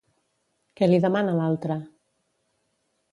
Què li demana l'altre?